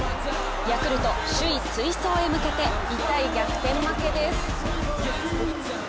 ヤクルト、首位追走へ向けて痛い逆転負けです。